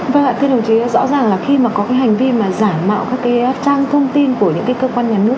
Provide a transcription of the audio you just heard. vâng ạ thưa đồng chí rõ ràng là khi có hành vi giả mạo các trang thông tin của những cơ quan nhắn núp